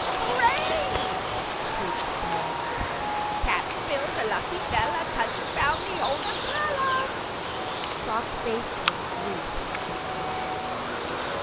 "Hooray!" shrieked the parrot; "Cap'n Bill's a lucky fellah, 'Cause he found the old umbrella!" Trot's face was wreathed in smiles.